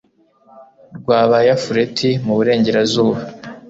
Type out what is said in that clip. rw'abayafuleti mu burengerazuba